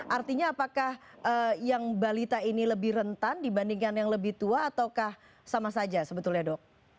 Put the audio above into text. artinya apakah yang balita ini lebih rentan dibandingkan yang lebih tua ataukah sama saja sebetulnya dok